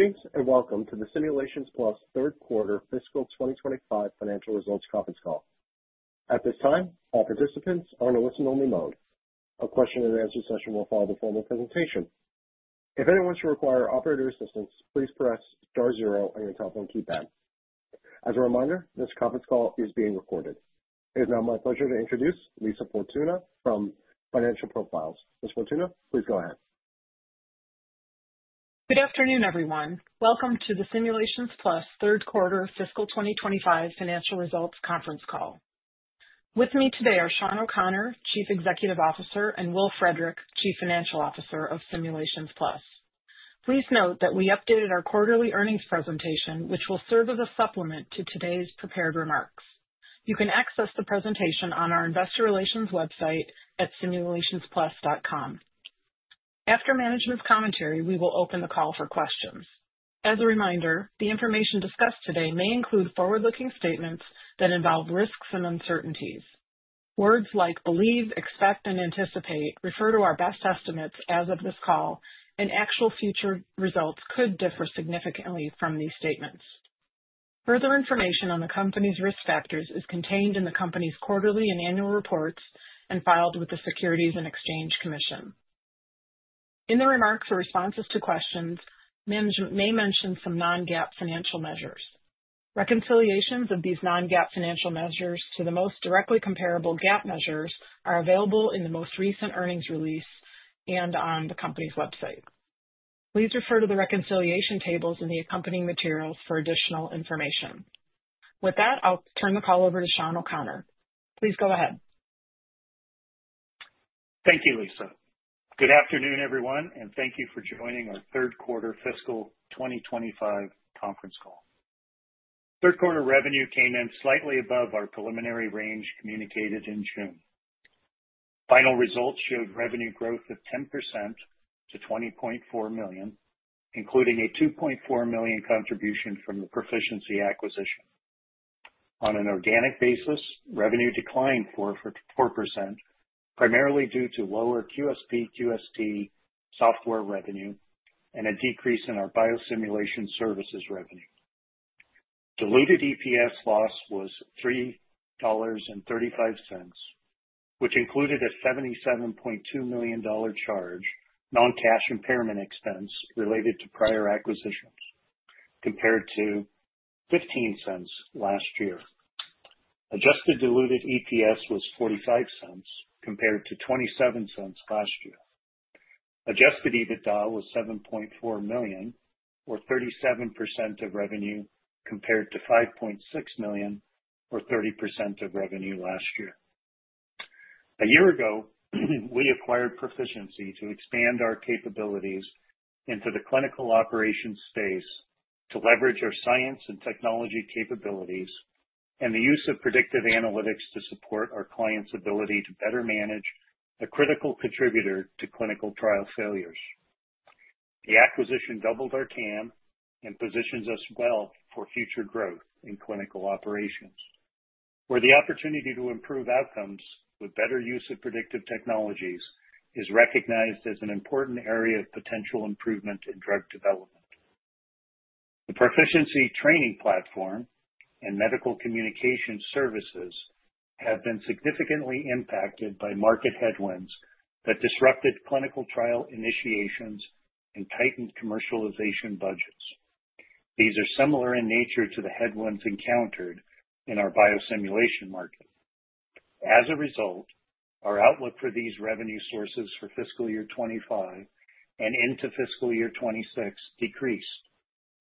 Greetings and welcome to the Simulations Plus third quarter fiscal 2025 financial results conference call. At this time, all participants are in a listen-only mode. A question-and-answer session will follow the formal presentation. If anyone should require operator assistance, please press star zero on your telephone keypad. As a reminder, this conference call is being recorded. It is now my pleasure to introduce Lisa Fortuna from Financial Profiles. Ms. Fortuna, please go ahead. Good afternoon, everyone. Welcome to the Simulations Plus third quarter fiscal 2025 financial results conference call. With me today are Shawn O'Connor, Chief Executive Officer, and Will Frederick, Chief Financial Officer of Simulations Plus. Please note that we updated our quarterly earnings presentation, which will serve as a supplement to today's prepared remarks. You can access the presentation on our investor relations website at simulationsplus.com. After management's commentary, we will open the call for questions. As a reminder, the information discussed today may include forward-looking statements that involve risks and uncertainties. Words like "believe," "expect," and "anticipate" refer to our best estimates as of this call, and actual future results could differ significantly from these statements. Further information on the company's risk factors is contained in the company's quarterly and annual reports and filed with the Securities and Exchange Commission. In the remarks or responses to questions, management may mention some non-GAAP financial measures. Reconciliations of these non-GAAP financial measures to the most directly comparable GAAP measures are available in the most recent earnings release and on the company's website. Please refer to the reconciliation tables in the accompanying materials for additional information. With that, I'll turn the call over to Shawn O'Connor. Please go ahead. Thank you, Lisa. Good afternoon, everyone, and thank you for joining our third quarter fiscal 2025 conference call. Third quarter revenue came in slightly above our preliminary range communicated in June. Final results showed revenue growth of 10% to $20.4 million, including a $2.4 million contribution from the Pro-ficiency acquisition. On an organic basis, revenue declined 4%, primarily due to lower QSP/QST Software revenue and a decrease in our biosimulation services revenue. Diluted EPS loss was $3.35, which included a $77.2 million non-cash impairment charge related to prior acquisitions, compared to $0.15 last year. Adjusted diluted EPS was $0.45, compared to $0.27 last year. Adjusted EBITDA was $7.4 million, or 37% of revenue, compared to $5.6 million, or 30% of revenue last year. A year ago, we acquired Pro-ficiency to expand our capabilities into the clinical operations space to leverage our science and technology capabilities and the use of predictive analytics to support our clients' ability to better manage a critical contributor to clinical trial failures. The acquisition doubled our CAM and positions us well for future growth in clinical operations, where the opportunity to improve outcomes with better use of predictive technologies is recognized as an important area of potential improvement in drug development. The Pro-ficiency training platform and medical communication services have been significantly impacted by market headwinds that disrupted clinical trial initiations and tightened commercialization budgets. These are similar in nature to the headwinds encountered in our biosimulation market. As a result, our outlook for these revenue sources for fiscal year 2025 and into fiscal year 2026 decreased,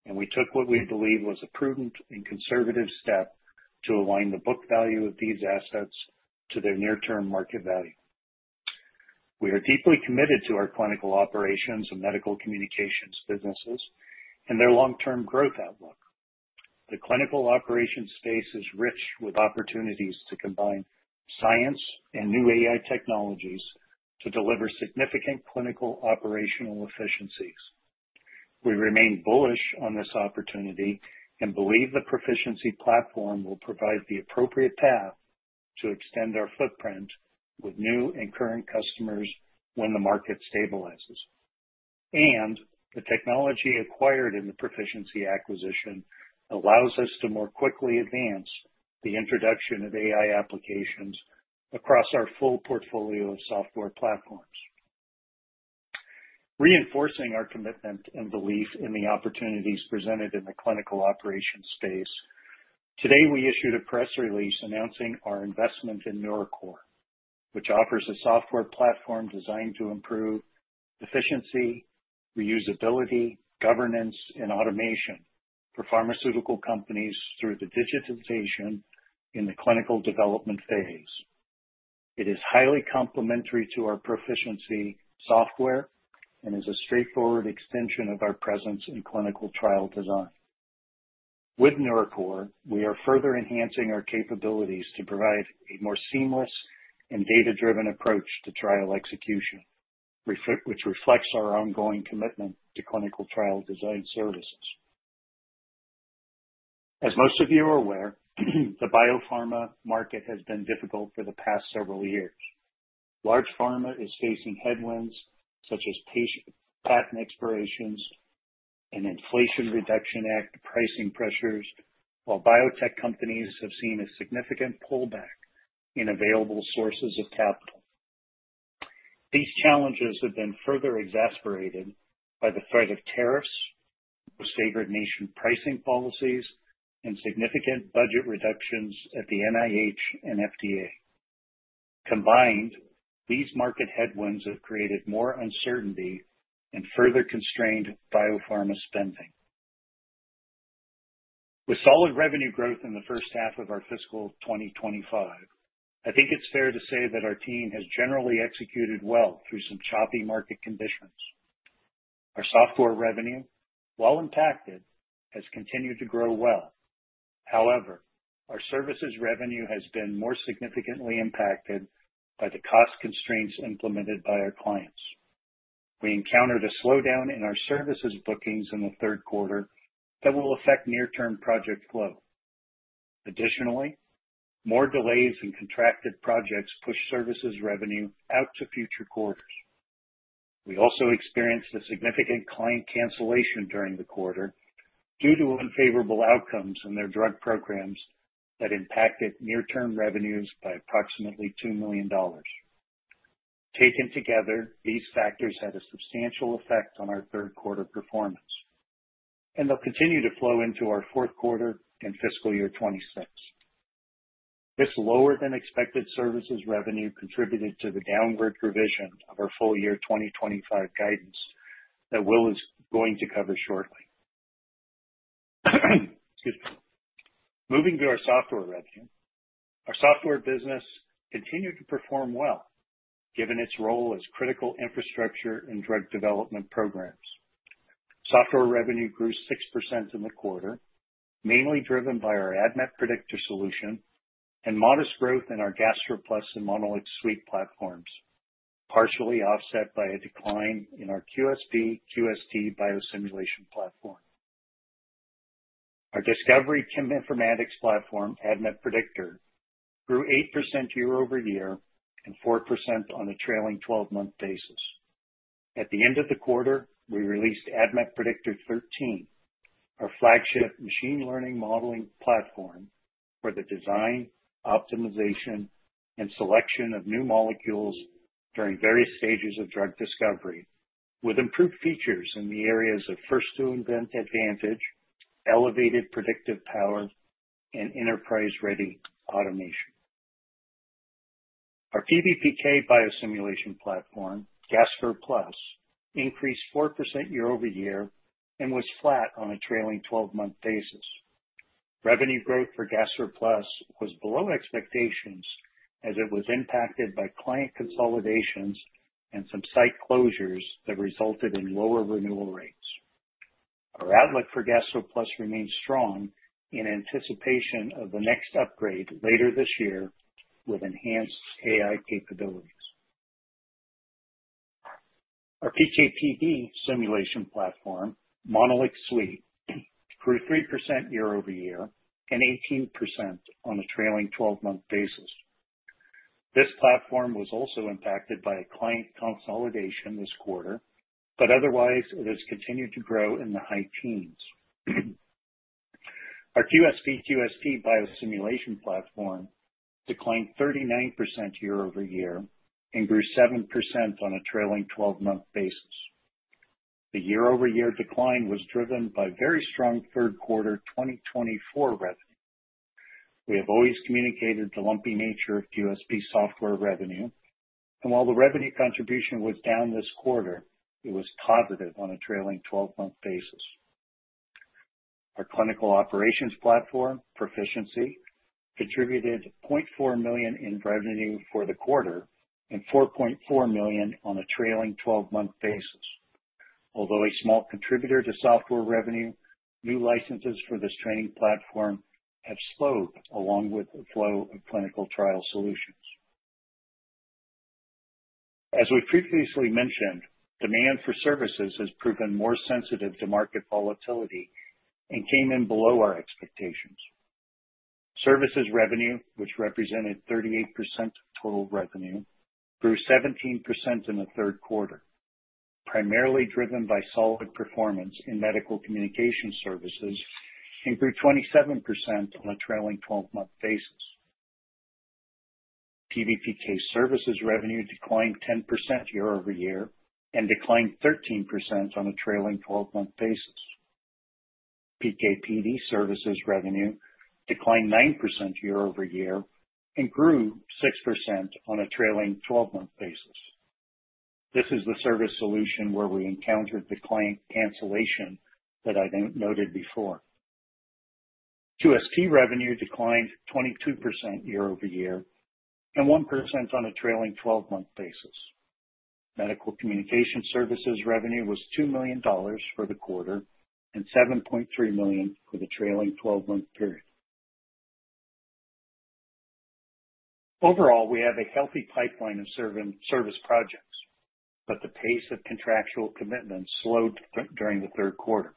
and we took what we believe was a prudent and conservative step to align the book value of these assets to their near-term market value. We are deeply committed to our clinical operations and medical communications businesses and their long-term growth outlook. The clinical operations space is rich with opportunities to combine science and new AI technologies to deliver significant clinical operational efficiencies. We remain bullish on this opportunity and believe the Pro-ficiency platform will provide the appropriate path to extend our footprint with new and current customers when the market stabilizes. The technology acquired in the Pro-ficiency acquisition allows us to more quickly advance the introduction of AI applications across our full portfolio of software platforms. Reinforcing our commitment and belief in the opportunities presented in the clinical operations space, today we issued a press release announcing our investment in Nurocor, which offers a software platform designed to improve efficiency, reusability, governance, and automation for pharmaceutical companies through the digitization in the clinical development phase. It is highly complementary to our Pro-ficiency software and is a straightforward extension of our presence in clinical trial design. With Nurocor, we are further enhancing our capabilities to provide a more seamless and data-driven approach to trial execution, which reflects our ongoing commitment to clinical trial design services. As most of you are aware, the biopharma market has been difficult for the past several years. Large pharma is facing headwinds such as patent expirations and Inflation Reduction Act pricing pressures, while biotech companies have seen a significant pullback in available sources of capital. These challenges have been further exacerbated by the threat of tariffs, save-the-nation pricing policies, and significant budget reductions at the NIH and FDA. Combined, these market headwinds have created more uncertainty and further constrained biopharma spending. With solid revenue growth in the first half of our fiscal 2025, I think it's fair to say that our team has generally executed well through some choppy market conditions. Our software revenue, while impacted, has continued to grow well. However, our services revenue has been more significantly impacted by the cost constraints implemented by our clients. They encountered a slowdown in our services bookings in the third quarter that will affect near-term project flow. Additionally, more delays in contracted projects push services revenue out to future quarters. We also experienced a significant client cancellation during the quarter due to unfavorable outcomes in their drug programs that impacted near-term revenues by approximately $2 million. Taken together, these factors had a substantial effect on our third quarter performance, and they'll continue to flow into our fourth quarter and fiscal year 2026. This lower-than-expected services revenue contributed to the downward revision of our full year 2025 guidance that Will is going to cover shortly. Moving to our software revenue, our software business continued to perform well given its role as critical infrastructure in drug development programs. Software revenue grew 6% in the quarter, mainly driven by our ADMET Predictor solution and modest growth in our GastroPlus and MonolixSuite platforms, partially offset by a decline in our QSP/QST biosimulation platform. Our discovery Cheminformatics platform, ADMET Predictor, grew 8% year-over-year and 4% on a trailing 12-month basis. At the end of the quarter, we released ADMET Predictor 13, our flagship machine learning modeling platform for the design, optimization, and selection of new molecules during various stages of drug discovery, with improved features in the areas of first-to-invent advantage, elevated predictive power, and enterprise-ready automation. Our PBPK biosimulation platform, GastroPlus, increased 4% year-over-year and was flat on a trailing 12-month basis. Revenue growth for GastroPlus was below expectations as it was impacted by client consolidations and some site closures that resulted in lower renewal rates. Our outlook for GastroPlus remains strong in anticipation of the next upgrade later this year with enhanced AI capabilities. Our PK/PD simulation platform, MonolixSuite, grew 3% year-over-year and 18% on a trailing 12-month basis. This platform was also impacted by a client consolidation this quarter, but otherwise, it has continued to grow in the high teens. Our QSP/QST biosimulation platform declined 39% year-over-year and grew 7% on a trailing 12-month basis. The year-over-year decline was driven by very strong third quarter 2024 revenue. We have always communicated the lumpy nature of QSP software revenue, and while the revenue contribution was down this quarter, it was positive on a trailing 12-month basis. Our clinical operations platform, Pro-ficiency, contributed $0.4 million in revenue for the quarter and $4.4 million on a trailing 12-month basis. Although a small contributor to software revenue, new licenses for this training platform have slowed along with the flow of clinical trial solutions. As we previously mentioned, demand for services has proven more sensitive to market volatility and came in below our expectations. Services revenue, which represented 38% of total revenue, grew 17% in the third quarter, primarily driven by solid performance in medical communication services and grew 27% on a trailing 12-month basis. PBPK services revenue declined 10% year-over-year and declined 13% on a trailing 12-month basis. PK/PD services revenue declined 9% year-over-year and grew 6% on a trailing 12-month basis. This is the service solution where we encountered the client cancellation that I noted before. QST revenue declined 22% year-over-year and 1% on a trailing 12-month basis. Medical communication services revenue was $2 million for the quarter and $7.3 million for the trailing 12-month period. Overall, we have a healthy pipeline of service projects, but the pace of contractual commitments slowed during the third quarter.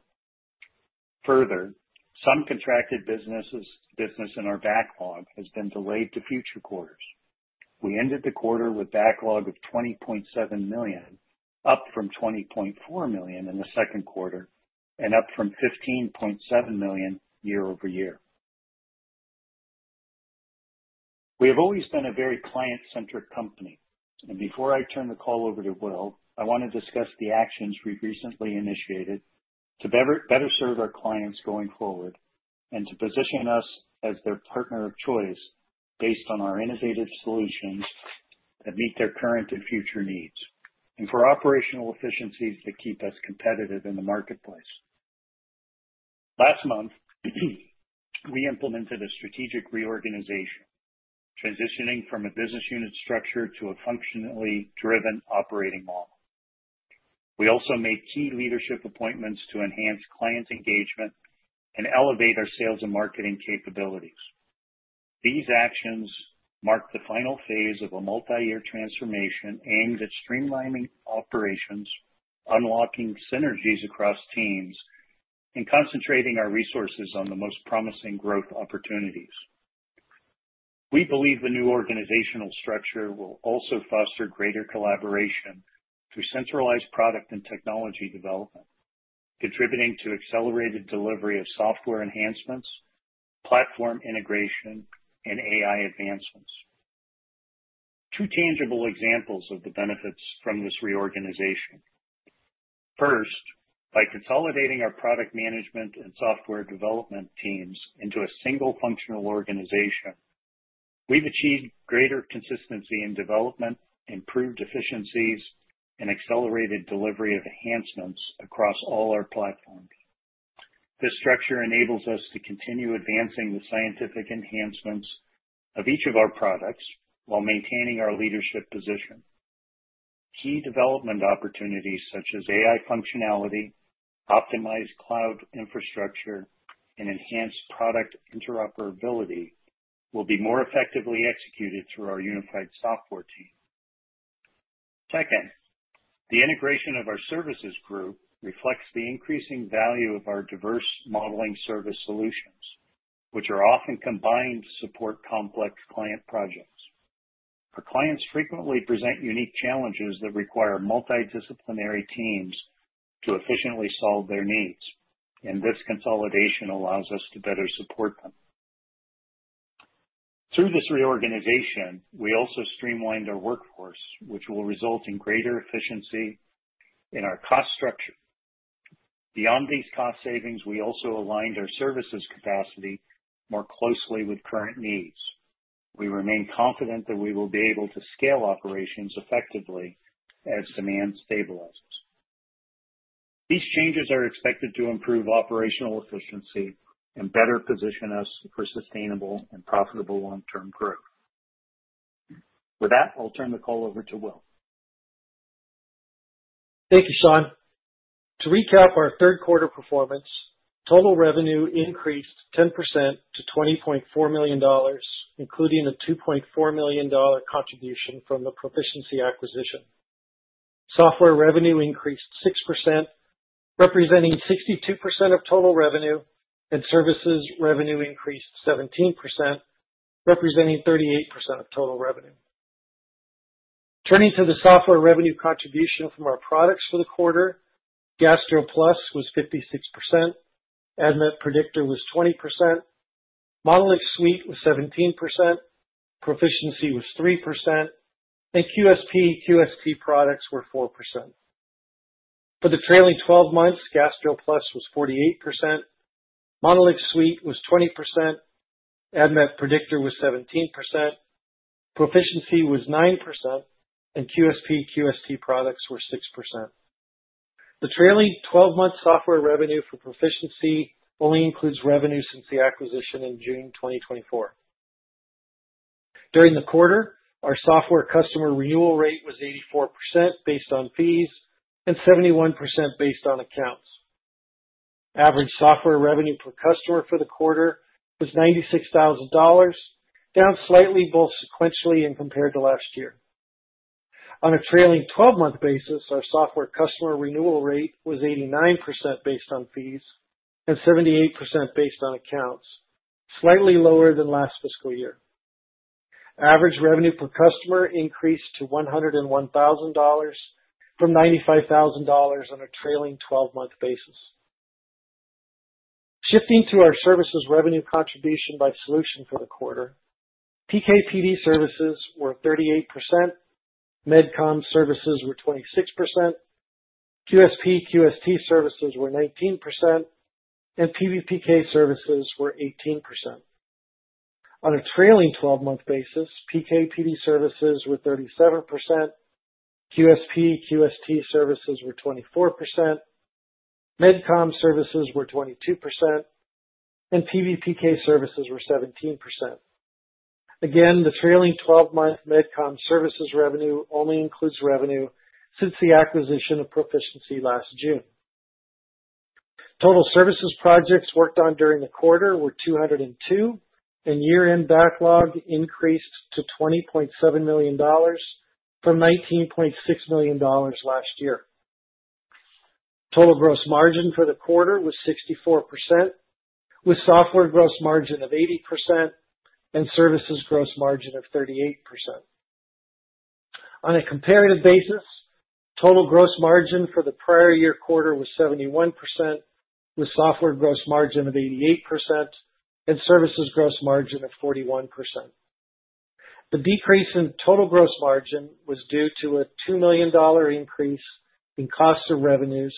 Further, some contracted businesses in our backlog have been delayed to future quarters. We ended the quarter with a backlog of $20.7 million, up from $20.4 million in the second quarter, and up from $15.7 million year-over-year. We have always been a very client-centric company, and before I turn the call over to Will, I want to discuss the actions we recently initiated to better serve our clients going forward and to position us as their partner of choice based on our innovative solutions that meet their current and future needs and for operational efficiencies that keep us competitive in the marketplace. Last month, we implemented a strategic reorganization, transitioning from a business unit structure to a functionally driven operating model. We also made key leadership appointments to enhance client engagement and elevate our sales and marketing capabilities. These actions mark the final phase of a multi-year transformation aimed at streamlining operations, unlocking synergies across teams, and concentrating our resources on the most promising growth opportunities. We believe the new organizational structure will also foster greater collaboration through centralized product and technology development, contributing to accelerated delivery of software enhancements, platform integration, and AI advancements. Two tangible examples of the benefits from this reorganization. First, by consolidating our product management and software development teams into a single functional organization, we've achieved greater consistency in development, improved efficiencies, and accelerated delivery of enhancements across all our platforms. This structure enables us to continue advancing the scientific enhancements of each of our products while maintaining our leadership position. Key development opportunities such as AI functionality, optimized cloud infrastructure, and enhanced product interoperability will be more effectively executed through our unified software team. The integration of our services group reflects the increasing value of our diverse modeling service solutions, which are often combined to support complex client projects. Our clients frequently present unique challenges that require multidisciplinary teams to efficiently solve their needs, and this consolidation allows us to better support them. Through this reorganization, we also streamlined our workforce, which will result in greater efficiency in our cost structure. Beyond these cost savings, we also aligned our services capacity more closely with current needs. We remain confident that we will be able to scale operations effectively as demand stabilizes. These changes are expected to improve operational efficiency and better position us for sustainable and profitable long-term growth. With that, I'll turn the call over to Will. Thank you, Shawn. To recap our third quarter performance, total revenue increased 10% to $20.4 million, including a $2.4 million contribution from the Pro-ficiency acquisition. Software revenue increased 6%, representing 62% of total revenue, and services revenue increased 17%, representing 38% of total revenue. Turning to the software revenue contribution from our products for the quarter, GastroPlus was 56%, ADMET Predictor was 20%, MonolixSuite was 17%, Pro-ficiency was 3%, and QSP/QST products were 4%. For the trailing 12 months, GastroPlus was 48%, MonolixSuite was 20%, ADMET Predictor was 17%, Pro-ficiency was 9%, and QSP/QST products were 6%. The trailing 12-month software revenue for Pro-ficiency only includes revenue since the acquisition in June 2024. During the quarter, our software customer renewal rate was 84% based on fees and 71% based on accounts. Average software revenue per customer for the quarter was $96,000, down slightly both sequentially and compared to last year. On a trailing 12-month basis, our software customer renewal rate was 89% based on fees and 78% based on accounts, slightly lower than last fiscal year. Average revenue per customer increased to $101,000 from $95,000 on a trailing 12-month basis. Shifting to our services revenue contribution by solution for the quarter, PK/PD services were 38%, MedCom services were 26%, QSP/QST services were 19%, and PBPK services were 18%. On a trailing 12-month basis, PK/PD services were 37%, QSP/QST services were 24%, MedCom services were 22%, and PBPK services were 17%. Again, the trailing 12-month MedCom services revenue only includes revenue since the acquisition of Pro-ficiency last June. Total services projects worked on during the quarter were 202, and year-end backlog increased to $20.7 million from $19.6 million last year. Total gross margin for the quarter was 64%, with software gross margin of 80% and services gross margin of 38%. On a comparative basis, total gross margin for the prior year quarter was 71%, with software gross margin of 88% and services gross margin of 41%. The decrease in total gross margin was due to a $2 million increase in cost of revenues,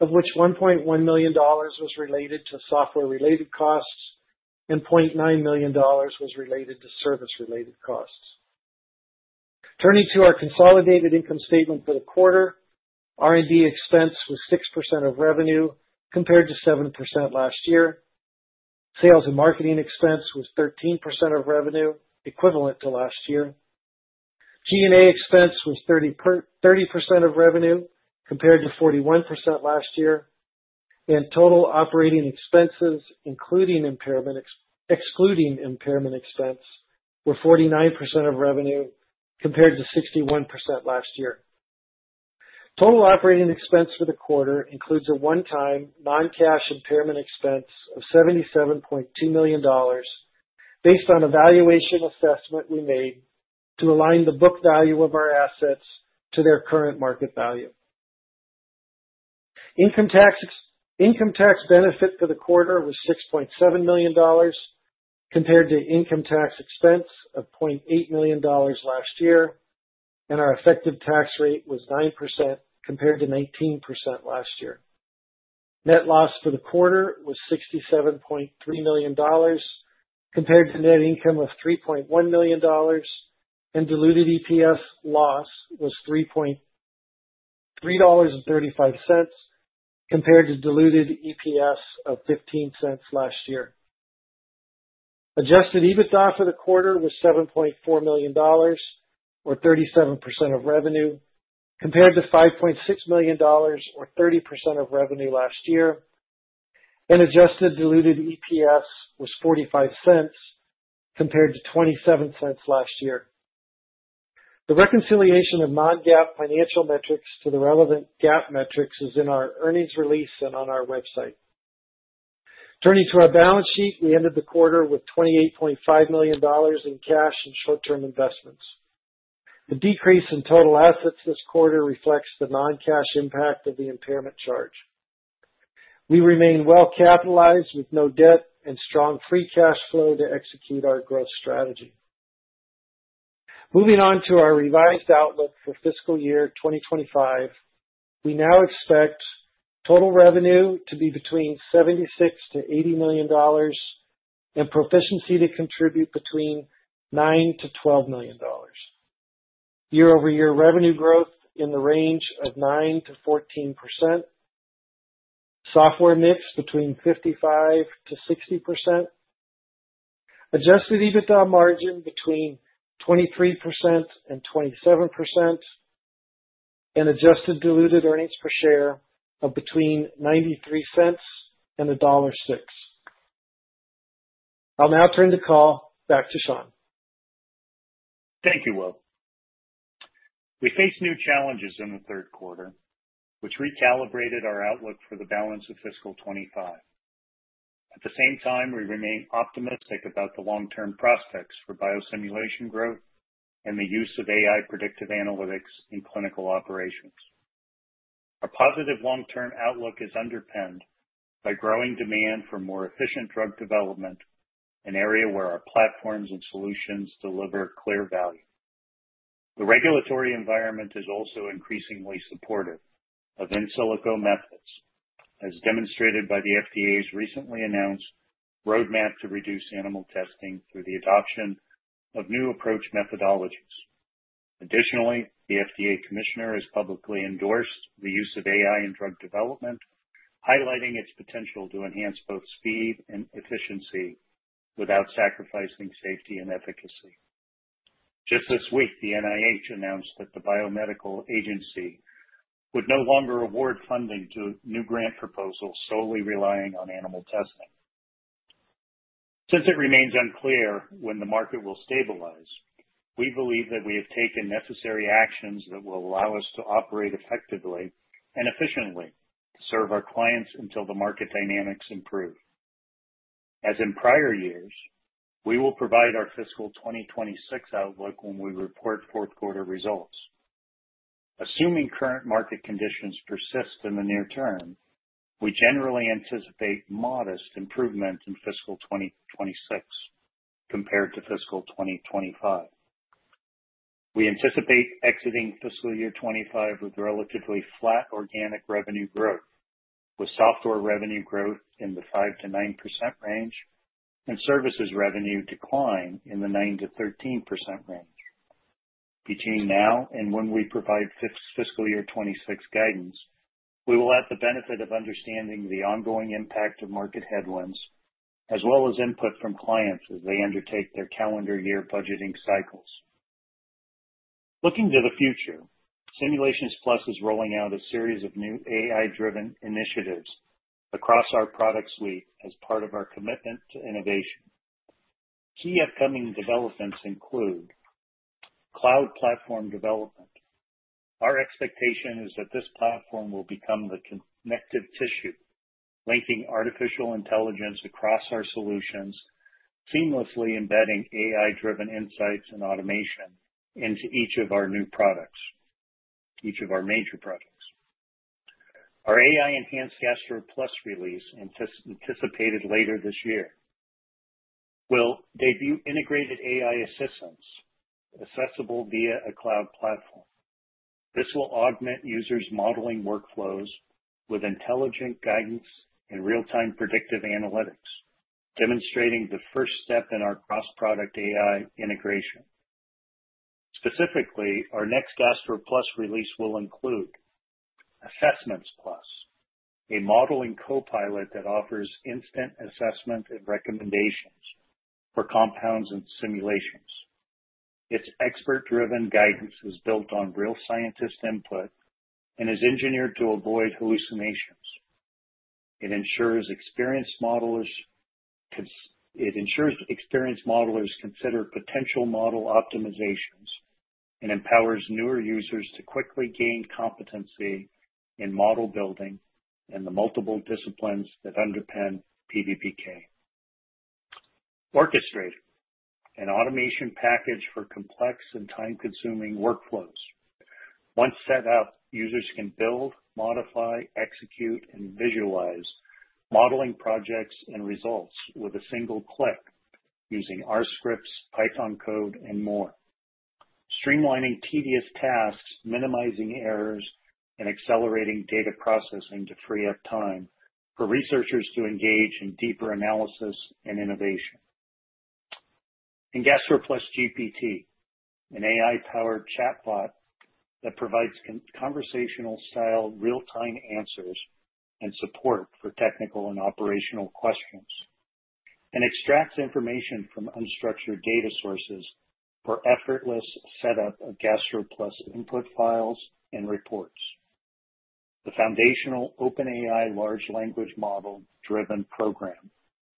of which $1.1 million was related to software-related costs and $0.9 million was related to service-related costs. Turning to our consolidated income statement for the quarter, R&D expense was 6% of revenue compared to 7% last year. Sales and marketing expense was 13% of revenue, equivalent to last year. T&A expense was 30% of revenue compared to 41% last year, and total operating expenses, excluding impairment expense, were 49% of revenue compared to 61% last year. Total operating expense for the quarter includes a one-time non-cash impairment expense of $77.2 million based on a valuation assessment we made to align the book value of our assets to their current market value. Income tax benefit for the quarter was $6.7 million compared to income tax expense of $0.8 million last year, and our effective tax rate was 9% compared to 19% last year. Net loss for the quarter was $67.3 million compared to net income of $3.1 million, and diluted EPS loss was $3.35 compared to diluted EPS of $0.15 last year. Adjusted EBITDA for the quarter was $7.4 million, or 37% of revenue, compared to $5.6 million, or 30% of revenue last year, and adjusted diluted EPS was $0.45 compared to $0.27 last year. The reconciliation of non-GAAP financial metrics to the relevant GAAP metrics is in our earnings release and on our website. Turning to our balance sheet, we ended the quarter with $28.5 million in cash and short-term investments. The decrease in total assets this quarter reflects the non-cash impact of the impairment charge. We remain well-capitalized with no debt and strong free cash flow to execute our growth strategy. Moving on to our revised outlook for fiscal year 2025, we now expect total revenue to be between $76 million0$80 million and Pro-ficiency to contribute between $9 million-$12 million. Year-over-year revenue growth in the range of 9%-14%, software niche between 55%-60%, adjusted EBITDA margin between 23% and 27%, and adjusted diluted earnings per share of between $0.93 and $1.06. I'll now turn the call back to Shawn. Thank you, Will. We faced new challenges in the third quarter, which recalibrated our outlook for the balance of fiscal 2025. At the same time, we remain optimistic about the long-term prospects for biosimulation growth and the use of AI predictive analytics in clinical operations. Our positive long-term outlook is underpinned by growing demand for more efficient drug development, an area where our platforms and solutions deliver clear value. The regulatory environment is also increasingly supportive of in-silico methods, as demonstrated by the FDA's recently announced roadmap to reduce animal testing through the adoption of new approach methodologies. Additionally, the FDA Commissioner has publicly endorsed the use of AI in drug development, highlighting its potential to enhance both speed and efficiency without sacrificing safety and efficacy. Just this week, the NIH announced that the Biomedical Agency would no longer award funding to new grant proposals solely relying on animal testing. Since it remains unclear when the market will stabilize, we believe that we have taken necessary actions that will allow us to operate effectively and efficiently to serve our clients until the market dynamics improve. As in prior years, we will provide our fiscal 2026 outlook when we report fourth quarter results. Assuming current market conditions persist in the near term, we generally anticipate modest improvement in fiscal 2026 compared to fiscal 2025. We anticipate exiting fiscal year 2025 with relatively flat organic revenue growth, with software revenue growth in the 5%-9% range and services revenue decline in the 9%-13% range. Between now and when we provide fiscal year 2026 guidance, we will have the benefit of understanding the ongoing impact of market headwinds, as well as input from clients as they undertake their calendar year budgeting cycles. Looking to the future, Simulations Plus is rolling out a series of new AI-driven initiatives across our product suite as part of our commitment to innovation. Key upcoming developments include cloud platform development. Our expectation is that this platform will become the connective tissue linking artificial intelligence across our solutions, seamlessly embedding AI-driven insights and automation into each of our new products, each of our major products. Our AI-enhanced GastroPlus release anticipated later this year will debut integrated AI assistance accessible via a cloud platform. This will augment users' modeling workflows with intelligent guidance and real-time predictive analytics, demonstrating the first step in our cross-product AI integration. Specifically, our next GastroPlus release will include AssessmentsPlus, a modeling copilot that offers instant assessment and recommendations for compounds and simulations. Its expert-driven guidance is built on real scientists' input and is engineered to avoid hallucinations. It ensures experienced modelers consider potential model optimizations and empowers newer users to quickly gain competency in model building and the multiple disciplines that underpin PBPK. Orchestrator is an automation package for complex and time-consuming workflows. Once set up, users can build, modify, execute, and visualize modeling projects and results with a single click using R scripts, Python code, and more, streamlining tedious tasks, minimizing errors, and accelerating data processing to free up time for researchers to engage in deeper analysis and innovation. GastroPlusGPT is an AI-powered chatbot that provides conversational-style real-time answers and support for technical and operational questions. It extracts information from unstructured data sources for effortless setup of GastroPlus input files and reports. The foundational OpenAI large language model-driven program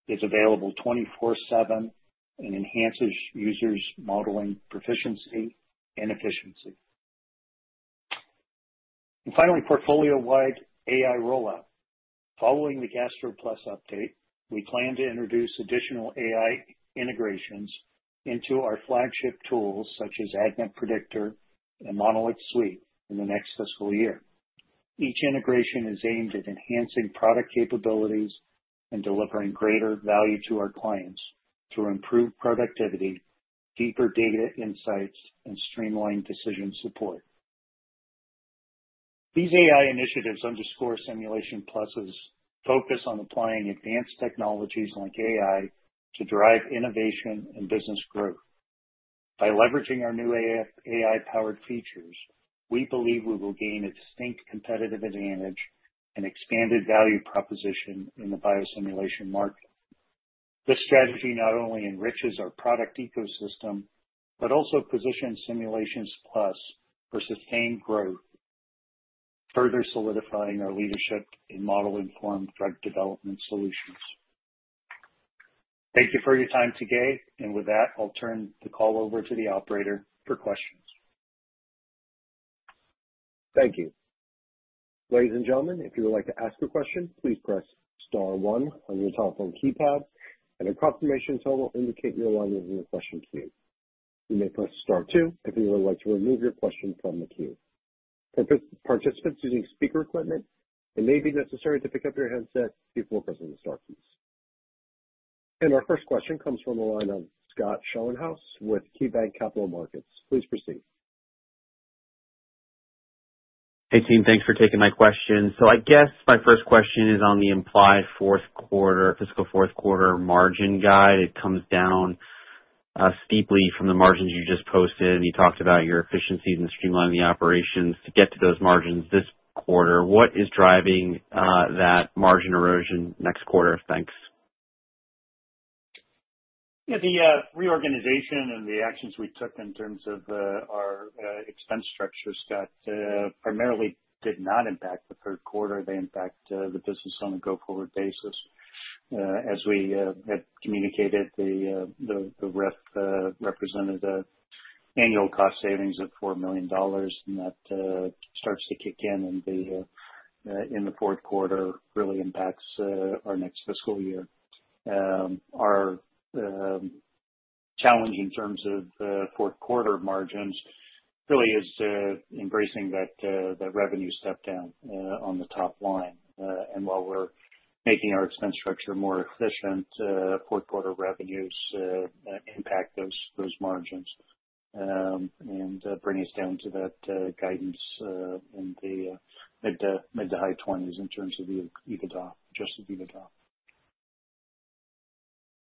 is available 24/7 and enhances users' modeling Pro-ficiency and efficiency. Finally, portfolio-wide AI rollout. Following the GastroPlus update, we plan to introduce additional AI integrations into our flagship tools such as ADMET Predictor and MonolixSuite in the next fiscal year. Each integration is aimed at enhancing product capabilities and delivering greater value to our clients through improved productivity, deeper data insights, and streamlined decision support. These AI initiatives underscore Simulations Plus's focus on applying advanced technologies like AI to drive innovation and business growth. By leveraging our new AI-powered features, we believe we will gain a distinct competitive advantage and expanded value proposition in the biosimulation market. This strategy not only enriches our product ecosystem but also positions Simulations Plus for sustained growth, further solidifying our leadership in model-informed drug development solutions. Thank you for your time today. With that, I'll turn the call over to the operator for questions. Thank you. Ladies and gentlemen, if you would like to ask a question, please press star one on your telephone keypad. A confirmation tone will indicate you're logging in the question queue. You may press star two if you would like to remove your question from the queue. Participants using speaker equipment, it may be necessary to pick up your headset before pressing the star keys. Our first question comes from a line of Scott Schoenhaus with KeyBanc Capital Markets. Please proceed. Hey, team. Thanks for taking my question. I guess my first question is on the implied fourth quarter, fiscal fourth quarter margin guide. It comes down steeply from the margins you just posted, and you talked about your efficiencies and streamlining the operations to get to those margins this quarter. What is driving that margin erosion next quarter? Thanks. Yeah, the reorganization and the actions we took in terms of our expense structure, Scott, primarily did not impact the third quarter. They impact the business on a go-forward basis. As we have communicated, that represented the annual cost savings of $4 million, and that starts to kick in in the fourth quarter, really impacts our next fiscal year. Our challenge in terms of fourth quarter margins really is embracing that revenue step down on the top line. While we're making our expense structure more efficient, fourth quarter revenues impact those margins and bring us down to that guidance in the mid to high 20s in terms of the EBITDA, adjusted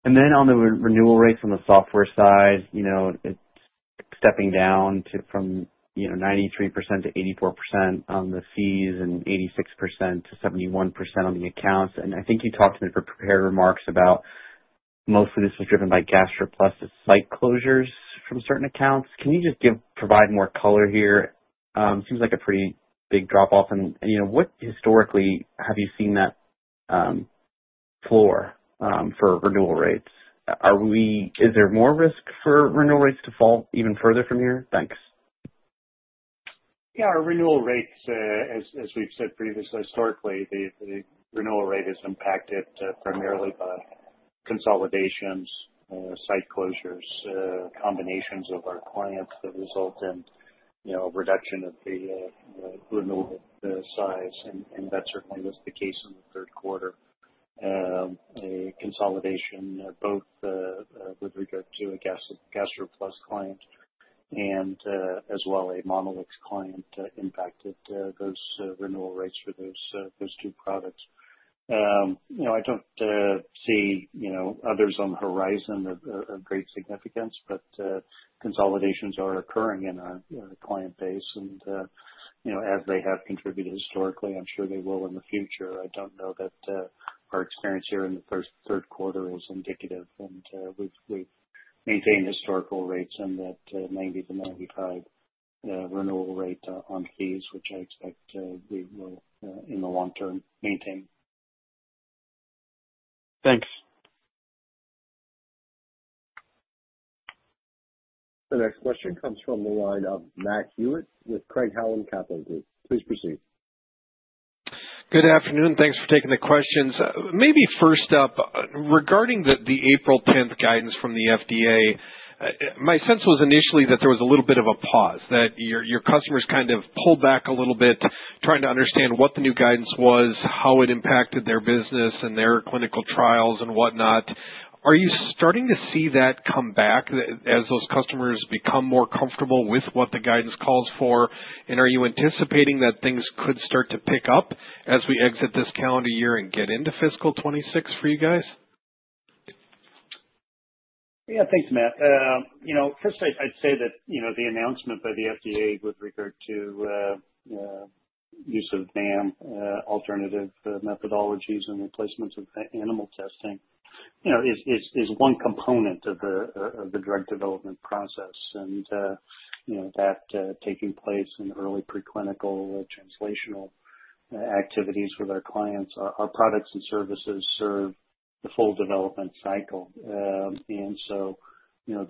EBITDA. On the renewal rate from the software side, it's stepping down from 93%-84% on the fees and 86%-71% on the accounts. I think you talked in the prepared remarks about most of this being driven by GastroPlus's site closures from certain accounts. Can you provide more color here? It seems like a pretty big drop-off. What historically have you seen as the floor for renewal rates? Is there more risk for renewal rates to fall even further from here? Thanks. Yeah, our renewal rates, as we've said previously, historically, the renewal rate is impacted primarily by consolidations, site closures, combinations of our clients that result in a reduction of the renewal size. That certainly was the case in the third quarter. A consolidation both with regard to a GastroPlus client and as well Monolix client impacted those renewal rates for those two products. I don't see others on the horizon of great significance, but consolidations are occurring in our client base. As they have contributed historically, I'm sure they will in the future. I don't know that our experience here in the third quarter was indicative. We've maintained historical rates in that 90%-95% renewal rate on fees, which I expect to be in the long term maintained. Thanks. The next question comes from a line of Matt Hewitt with Craig-Hallum Capital Group. Please proceed. Good afternoon. Thanks for taking the questions. Maybe first up, regarding the April 10th guidance from the FDA, my sense was initially that there was a little bit of a pause, that your customers kind of pulled back a little bit, trying to understand what the new guidance was, how it impacted their business and their clinical trials and whatnot. Are you starting to see that come back as those customers become more comfortable with what the guidance calls for? Are you anticipating that things could start to pick up as we exit this calendar year and get into fiscal 2026 for you guys? Yeah, thanks, Matt. First, I'd say that the announcement by the FDA with regard to the use of NAM, alternative methodologies and replacements of animal testing, is one component of the drug development process. That is taking place in early preclinical translational activities for their clients. Our products and services serve the full development cycle. The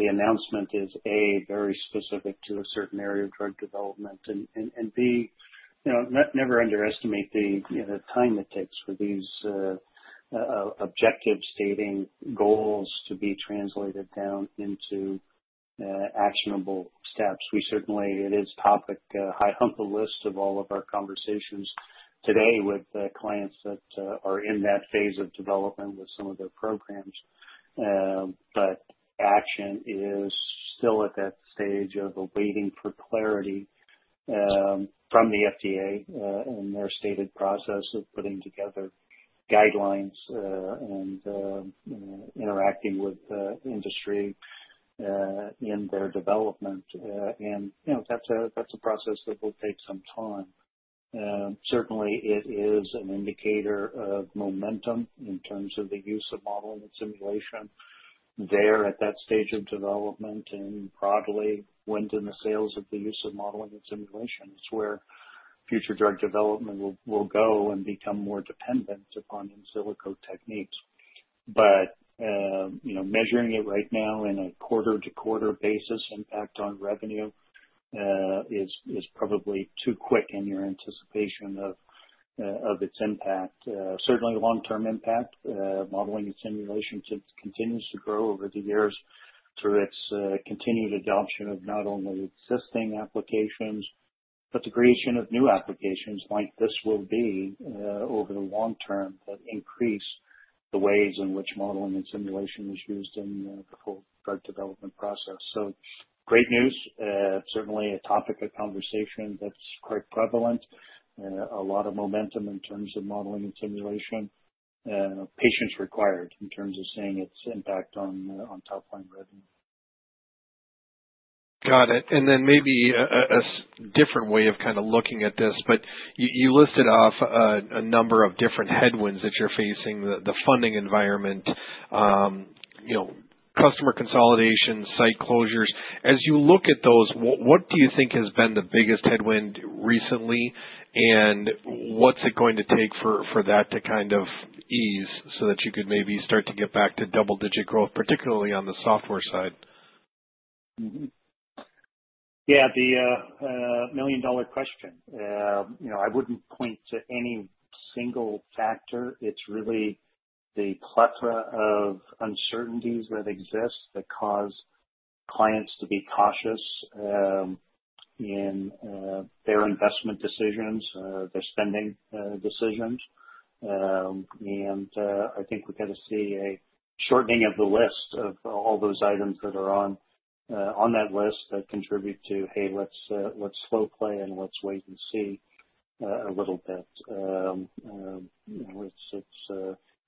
announcement is, A, very specific to a certain area of drug development. Never underestimate the time it takes for these objective-stating goals to be translated down into actionable steps. It is a topic, a high hunk of list of all of our conversations today with the clients that are in that phase of development with some of their programs. Action is still at that stage of waiting for clarity from the FDA in their stated process of putting together guidelines and interacting with the industry in their development. That is a process that will take some time. Certainly, it is an indicator of momentum in terms of the use of modeling and simulation there at that stage of development and broadly went in the sales of the use of modeling and simulation. It's where future drug development will go and become more dependent upon in-silico techniques. Measuring it right now in a quarter-to-quarter basis impact on revenue is probably too quick in your anticipation of its impact. Certainly, long-term impact, modeling and simulation continues to grow over the years through its continued adoption of not only existing applications but the creation of new applications like this will be over the long term that increase the ways in which modeling and simulation is used in the full drug development process. Great news. Certainly, a topic of conversation that's quite prevalent. A lot of momentum in terms of modeling and simulation. Patience required in terms of seeing its impact on top-line revenue. Got it. Maybe a different way of kind of looking at this, but you listed off a number of different headwinds that you're facing, the funding environment, customer consolidation, site closures. As you look at those, what do you think has been the biggest headwind recently, and what's it going to take for that to kind of ease so that you could maybe start to get back to double-digit growth, particularly on the software side? Yeah, the million-dollar question. I wouldn't point to any single factor. It's really the plethora of uncertainties that exist that cause clients to be cautious in their investment decisions, their spending decisions. I think we're going to see a shortening of the list of all those items that are on that list that contribute to, hey, let's slow play and let's wait and see a little bit.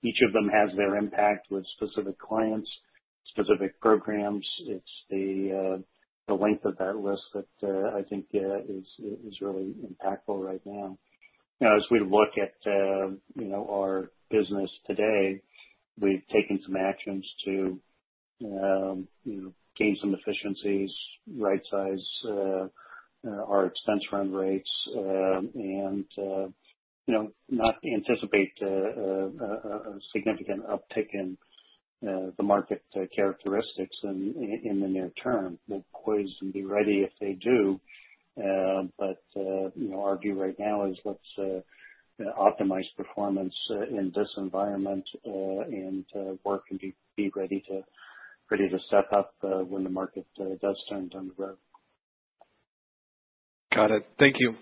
Each of them has their impact with specific clients, specific programs. It's the length of that list that I think is really impactful right now. Now, as we look at our business today, we've taken some actions to gain some efficiencies, right-size our expense run rates, and not anticipate a significant uptick in the market characteristics in the near term. We'll poise and be ready if they do. Our view right now is let's optimize performance in this environment and work and be ready to step up when the market does turn to undergrowth. Got it. Thank you.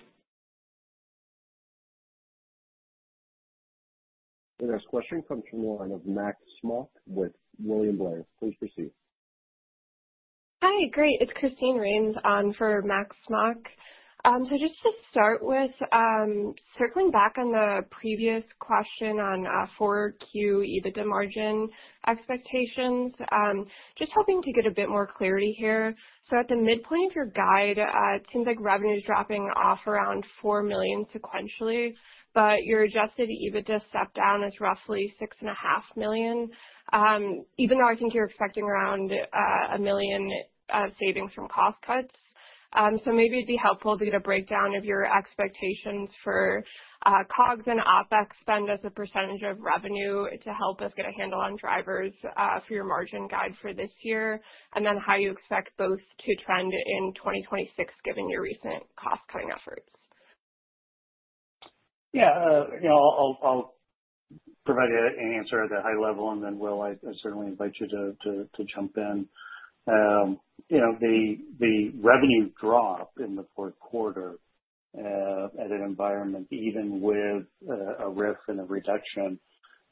The next question comes from a line of Max Smock with William Blair. Please proceed. Hi. Great. It's Christine Rains on for Max Smock. Just to start with circling back on the previous question on 4Q EBITDA margin expectations, just hoping to get a bit more clarity here. At the midpoint of your guide, it seems like revenue is dropping off around $4 million sequentially, but your adjusted EBITDA step down is roughly $6.5 million, even though I think you're expecting around $1 million savings from cost cuts. Maybe it'd be helpful to get a breakdown of your expectations for COGS and OpEx spend as a percentage of revenue to help us get a handle on drivers for your margin guide for this year and then how you expect both to trend in 2026, given your recent cost-cutting efforts. Yeah. I'll provide an answer at the high level, and then, Will, I certainly invite you to jump in. The revenue drop in the fourth quarter at an environment, even with a risk and a reduction,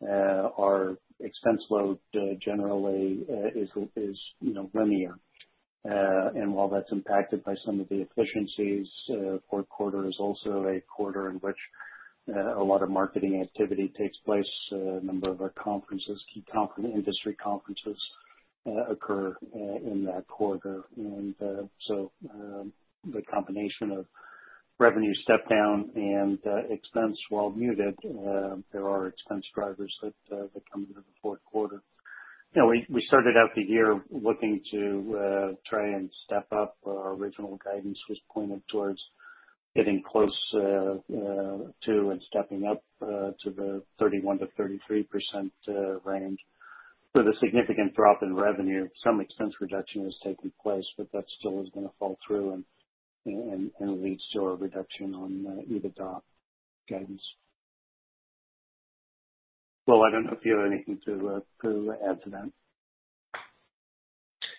our expense load generally is linear. While that's impacted by some of the efficiencies, the fourth quarter is also a quarter in which a lot of marketing activity takes place. A number of our conferences, key industry conferences, occur in that quarter. The combination of revenue step-down and expense, while muted, there are expense drivers that lead to the fourth quarter. We started out the year looking to try and step up. Our original guidance was pointed towards getting close to and stepping up to the 31%-33% range. The significant drop in revenue, some expense reduction is taking place, but that's going to fall through and leads to a reduction on EBITDA guidance. Will, I don't know if you have anything to add to that.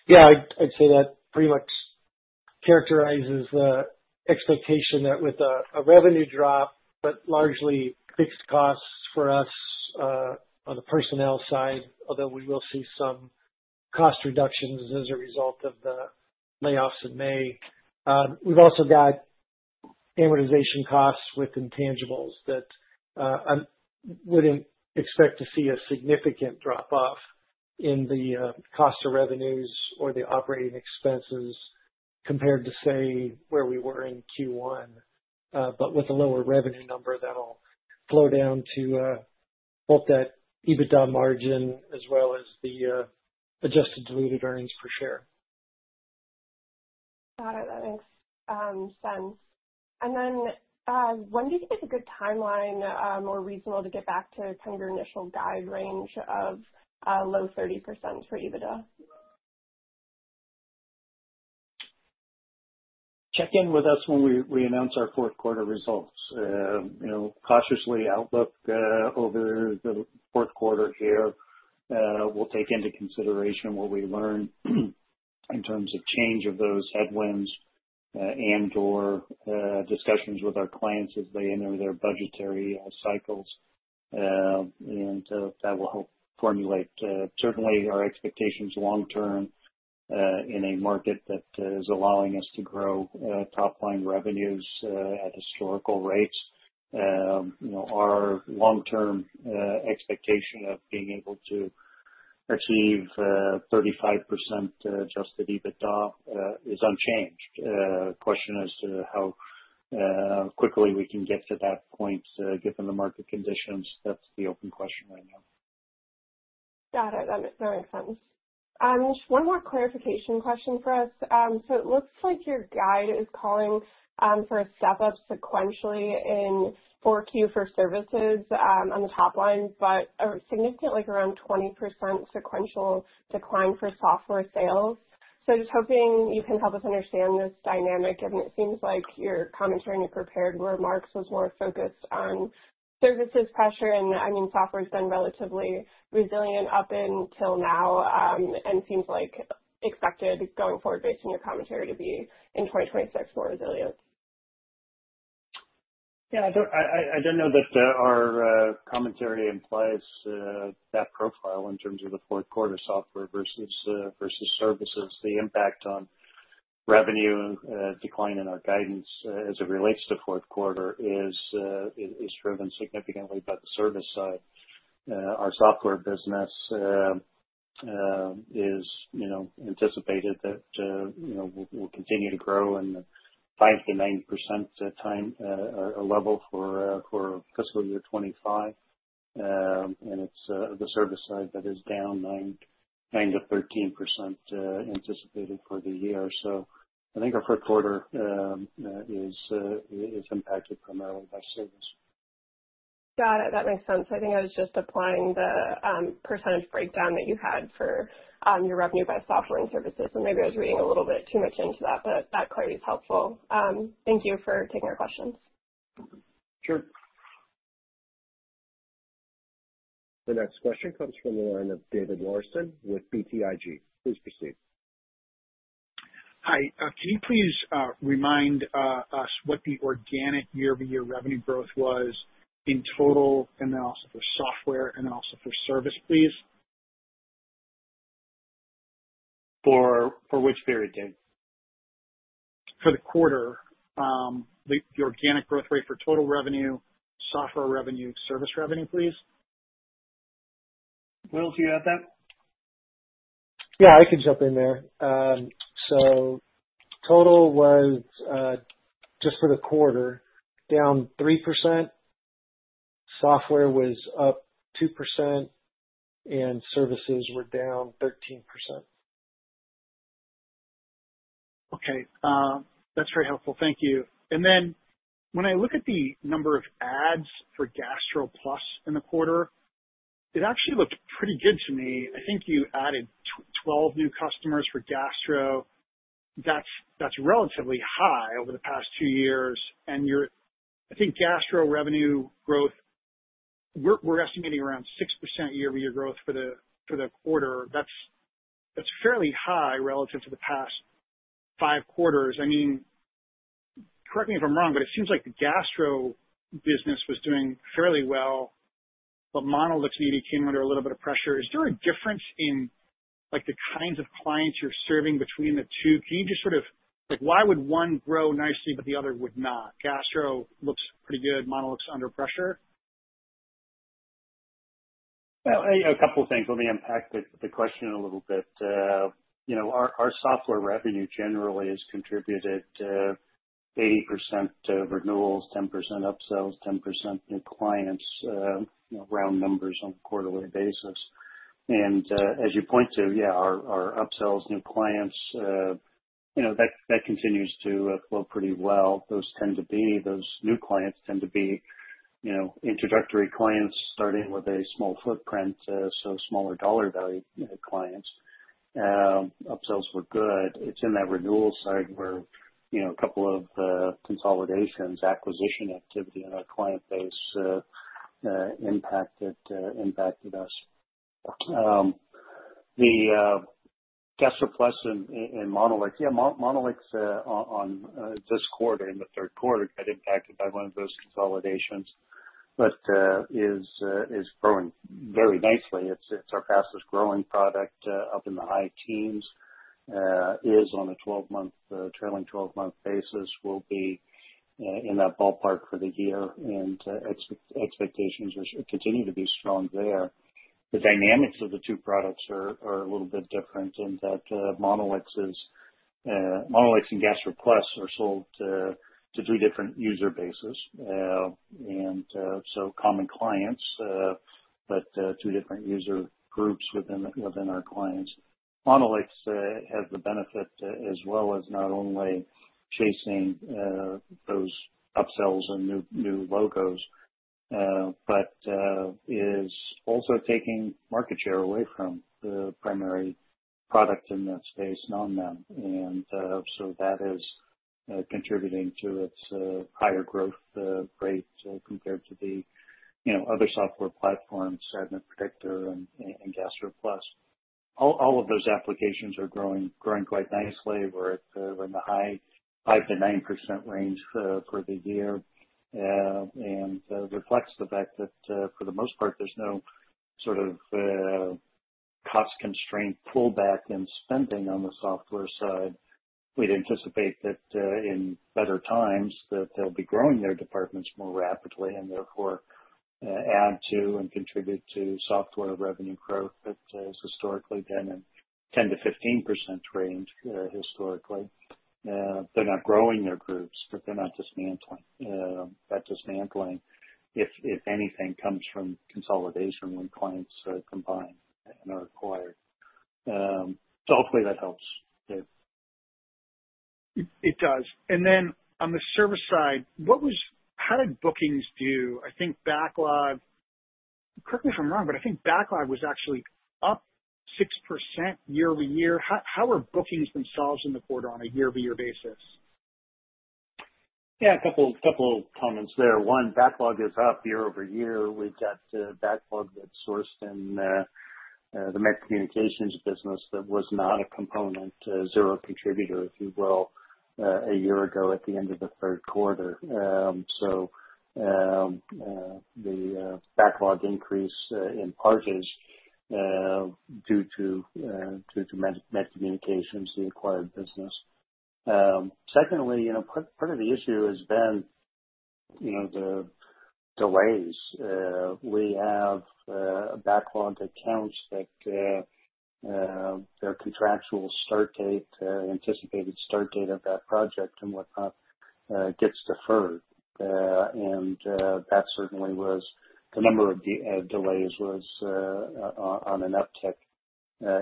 Yeah, I'd say that pretty much characterizes the expectation that with a revenue drop, but largely fixed costs for us on the personnel side, although we will see some cost reductions as a result of the layoffs in May. We've also got amortization costs with intangibles that I wouldn't expect to see a significant drop-off in the cost of revenues or the operating expenses compared to, say, where we were in Q1. With a lower revenue number, that'll flow down to both that EBITDA margin as well as the adjusted diluted EPS. Got it. That makes sense. When do you think is a good timeline or reasonable to get back to some of your initial guide range of low 30% for EBITDA? Check in with us when we announce our fourth quarter results. You know, cautiously outlook over the fourth quarter here. We'll take into consideration what we learn in terms of change of those headwinds and/or discussions with our clients as they enter their budgetary cycles. That will help formulate certainly our expectations long term in a market that is allowing us to grow top-line revenues at historical rates. You know, our long-term expectation of being able to achieve 35% adjusted EBITDA is unchanged. The question as to how quickly we can get to that point given the market conditions, that's the open question right now. Got it. That makes sense. Just one more clarification question for us. It looks like your guide is calling for a step-up sequentially in 4Q for services on the top line, but a significant, like around 20%, sequential decline for software sales. Hoping you can help us understand this dynamic. It seems like your commentary in your prepared remarks was more focused on services pressure. I mean, software has been relatively resilient up until now and seems like expected going forward based on your commentary to be in 2026 more resilient. I don't know that our commentary implies that profile in terms of the fourth quarter software versus services. The impact on revenue decline in our guidance as it relates to fourth quarter is driven significantly by the service side. Our software business is anticipated that we'll continue to grow and find the 90% time level for fiscal year 2025. It's the service side that is down 9%-13% anticipated for the year. I think our fourth quarter is impacted primarily by service. Got it. That makes sense. I think I was just applying the percent breakdown that you had for your revenue by software and services. Maybe I was reading a little bit too much into that, but that is quite helpful. Thank you for taking our questions. Sure. The next question comes from a line of David Larsen with BTIG. Please proceed. Hi, can you please remind us what the organic year-over-year revenue growth was in total analysis for software and also for service, please? For which period, David? For the quarter, the organic growth rate for total revenue, software revenue, service revenue, please. Will, do you have that? I can jump in there. Total was just for the quarter down 3%. Software was up 2%, and services were down 13%. Okay. That's very helpful. Thank you. When I look at the number of adds for GastroPlus in the quarter, it actually looked pretty good to me. I think you added 12 new customers for Gastro. That's relatively high over the past two years. You're, I think, Gastro revenue growth, we're estimating around 6% year-over-year growth for the quarter. That's fairly high relative to the past five quarters. Correct me if I'm wrong, but it seems like the Gastro business was doing fairly well, but MonolixSuite came under a little bit of pressure. Is there a difference in the kinds of clients you're serving between the two? Can you just sort of, like why would one grow nicely but the other would not? Gastro looks pretty good. Monolix's under pressure. A couple of things. Let me unpack the question a little bit. You know our software revenue generally has contributed to 80% of renewals, 10% upsells, 10% new clients, you know round numbers on a quarterly basis. As you point to, yeah, our upsells, new clients, you know that continues to flow pretty well. Those tend to be those new clients tend to be you know introductory clients starting with a small footprint, so smaller dollar value clients. Upsells were good. It's in that renewal side where you know a couple of consolidations, acquisition activity in our client base impacted us. The GastroPlus and Monolix, yeah, Monolix on this quarter in the third quarter got impacted by one of those consolidations, but is growing very nicely. It's our fastest growing product up in the high teens, is on a trailing 12-month basis, will be in that ballpark for the year, and expectations continue to be strong there. The dynamics of the two products are a little bit different in that Monolix and GastroPlus are sold to three different user bases. Common clients, but two different user groups within our clients. Monolix has the benefit as well as not only chasing those upsells and new logos, but is also taking market share away from the primary product in that space, NONMEM. That is contributing to its higher growth rate compared to the other software platforms, ADMET Predictor and GastroPlus. All of those applications are growing quite nicely. We're in the high 5%-9% range for the year. It reflects the fact that for the most part, there's no sort of cost-constrained pullback in spending on the software side. We'd anticipate that in better times that they'll be growing their departments more rapidly and therefore add to and contribute to software revenue growth that has historically been in the 10%-15% range historically. They're not growing their groups, but they're not dismantling. That dismantling, if anything, comes from consolidation when clients combine and are acquired. Hopefully, that helps, David. It does. On the service side, how did bookings do? I think backlog, correct me if I'm wrong, but I think backlog was actually up 6% year-over-year. How have bookings been solved in the quarter on a year-over-year basis? Yeah, a couple of comments there. One, backlog is up year-over-year. We've got backlog that's sourced in the med communications business that was not a component, a zero contributor, if you will, a year ago at the end of the third quarter. The backlog increase in part is due to med communications, the acquired business. Secondly, part of the issue has been the delays. We have a backlog of accounts that their contractual start date, anticipated start date of that project and whatnot, gets deferred. That certainly was the number of delays was on an uptick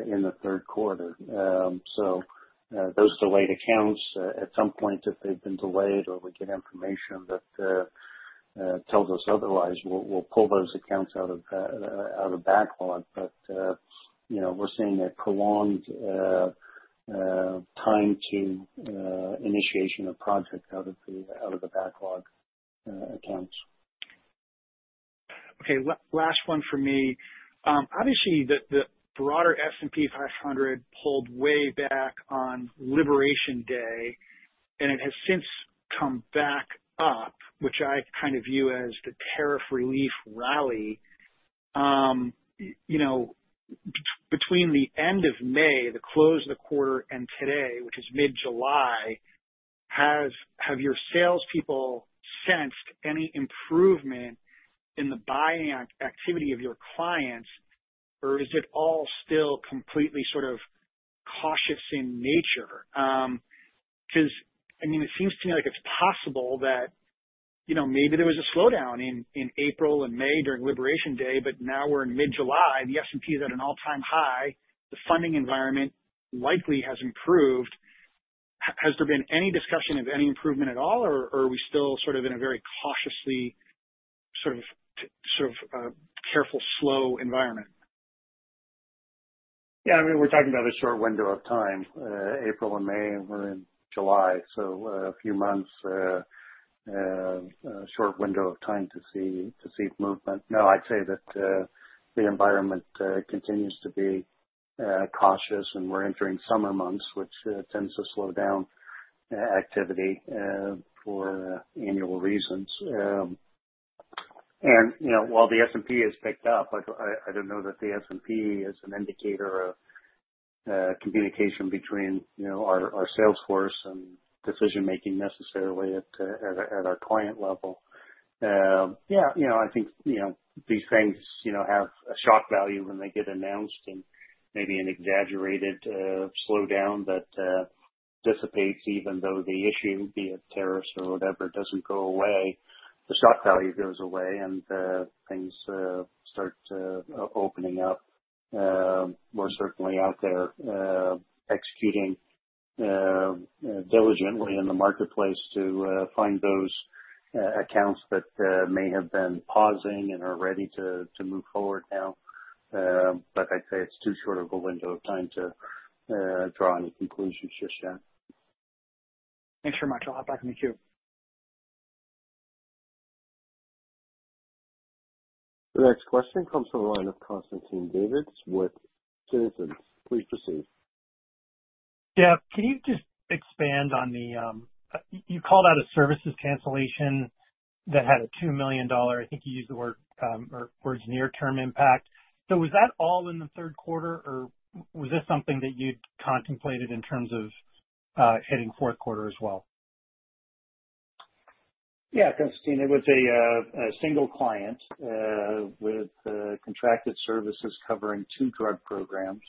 in the third quarter. Those delayed accounts, at some point, if they've been delayed or we get information that tells us otherwise, we'll pull those accounts out of backlog. We're seeing a prolonged time to initiation of project out of the backlog accounts. Okay. Last one for me. Obviously, the broader S&P 500 pulled way back on Liberation Day, and it has since come back up, which I kind of view as the tariff relief rally. You know, between the end of May, the close of the quarter, and today, which is mid-July, have your salespeople sensed any improvement in the buying activity of your clients, or is it all still completely sort of cautious in nature? I mean, it seems to me like it's possible that maybe there was a slowdown in April and May during Liberation Day, but now we're in mid-July. The S&P is at an all-time high. The funding environment likely has improved. Has there been any discussion of any improvement at all, or are we still sort of in a very cautiously sort of careful slow environment? Yeah, I mean, we're talking about a short window of time. April and May, we're in July, so a few months, a short window of time to see movement. No, I'd say that the environment continues to be cautious, and we're entering summer months, which tends to slow down activity for annual reasons. You know, while the S&P has picked up, I don't know that the S&P is an indicator of communication between our salesforce and decision-making necessarily at our client level. I think these things have a shock value when they get announced and maybe an exaggerated slowdown that dissipates even though the issue, be it tariffs or whatever, doesn't go away. The shock value goes away and things start opening up. We're certainly out there executing diligently in the marketplace to find those accounts that may have been pausing and are ready to move forward now. I'd say it's too short of a window of time to draw any conclusions just yet. Thanks very much. I'll hop back in the queue. The next question comes from a line of Constantine Davides with Citizens. Please proceed. Yeah. Can you just expand on the, you called out a services cancellation that had a $2 million, I think you used the word or words near-term impact. Was that all in the third quarter, or was this something that you'd contemplated in terms of heading fourth quarter as well? Yeah, Constantine, it was a single client with contracted services covering two drug programs,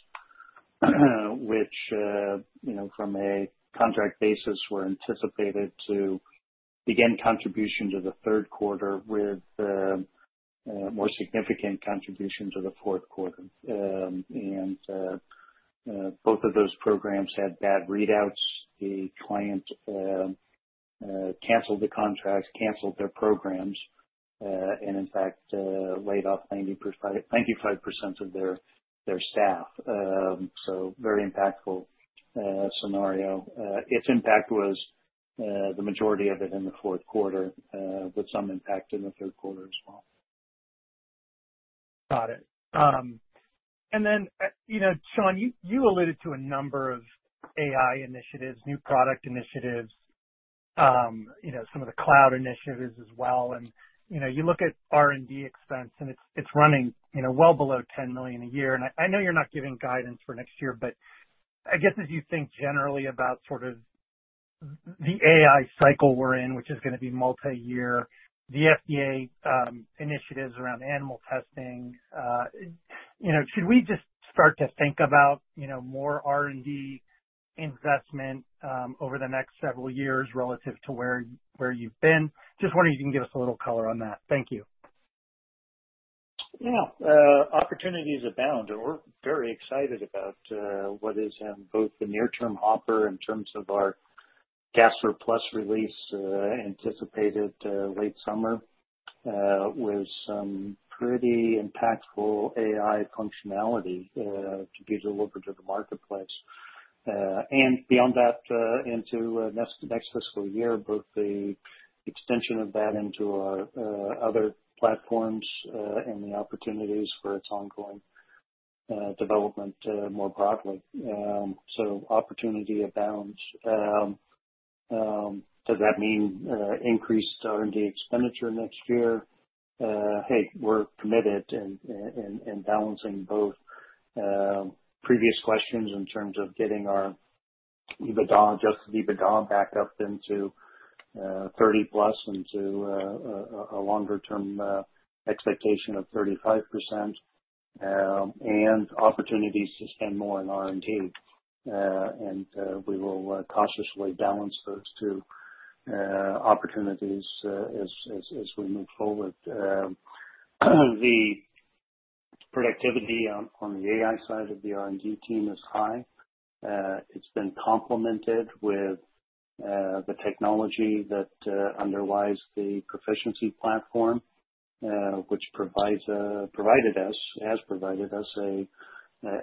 which you know from a contract basis were anticipated to begin contribution to the third quarter with more significant contributions to the fourth quarter. Both of those programs had bad readouts. A client canceled the contracts, canceled their programs, and in fact, laid off 95% of their staff. It was a very impactful scenario. Its impact was the majority of it in the fourth quarter, but some impact in the third quarter as well. Got it. Shawn, you alluded to a number of AI initiatives, new product initiatives, some of the cloud initiatives as well. You look at R&D expense, and it's running well below $10 million a year. I know you're not giving guidance for next year, but as you think generally about the AI cycle we're in, which is going to be multi-year, the FDA initiatives around animal testing, should we just start to think about more R&D investment over the next several years relative to where you've been? Just wondering if you can give us a little color on that. Thank you. Yeah. Opportunities abound, and we're very excited about what is in both the near-term offer in terms of our GastroPlus release anticipated late summer with some pretty impactful AI functionality to be able to look into the marketplace. Beyond that, into the next fiscal year, both the extension of that into our other platforms and the opportunities for its ongoing development more broadly. Opportunity abounds. Does that mean increased R&D expenditure next year? Hey, we're committed in balancing both previous questions in terms of getting our adjusted EBITDA back up into 30%+ and to a longer-term expectation of 35% and opportunities to spend more on R&D. We will cautiously balance those two opportunities as we move forward. The productivity on the AI side of the R&D team is high. It's been complemented with the technology that underlies the Pro-ficiency platform, which has provided us an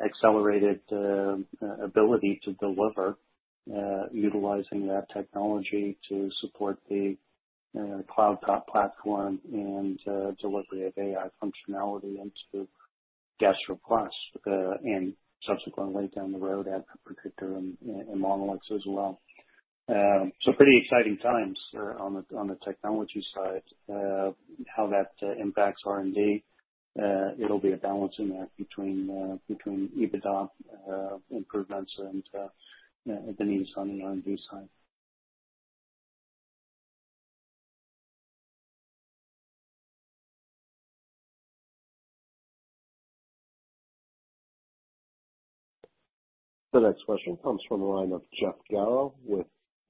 accelerated ability to deliver utilizing that technology to support the cloud platform and delivery of AI functionality into GastroPlus and subsequently down the road at ADMET Predictor and Monolix as well. Pretty exciting times on the technology side. How that impacts R&D, it'll be a balancing act between EBITDA improvements and the needs on the R&D side.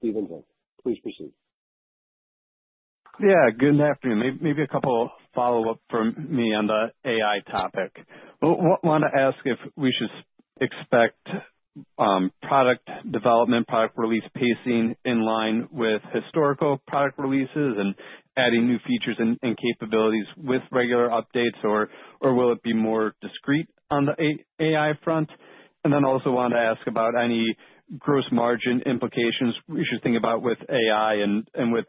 The next question comes from the line of Jeff Garro with Stephens. Please proceed. Good afternoon. Maybe a couple of follow-ups from me on the AI topic. I want to ask if we should expect product development, product release pacing in line with historical product releases and adding new features and capabilities with regular updates, or will it be more discrete on the AI front? I also wanted to ask about any gross margin implications we should think about with AI and with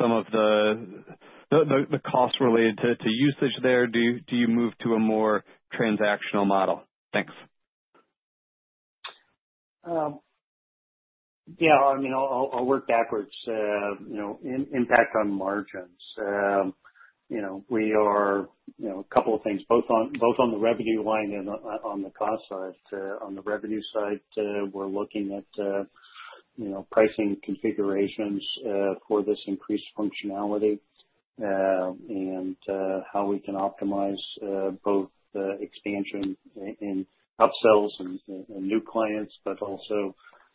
some of the cost related to usage there. Do you move to a more transactional model? Thanks. Yeah. I'll work backwards. You know, impact on margins. We are a couple of things, both on the revenue line and on the cost side. On the revenue side, we're looking at pricing configurations for this increased functionality and how we can optimize both the expansion in upsells and new clients, but also